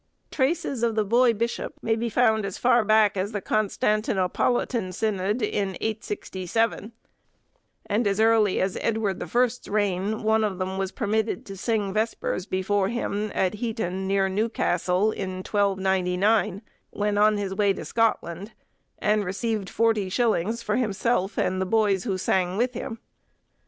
Traces of the boy bishop may be found as far back as the Constantinopolitan synod in 867, and as early as Edward the First's reign, one of them was permitted to sing vespers before him at Heton, near Newcastle, in 1299, when on his way to Scotland, and received forty shillings for himself and the boys who sang with him.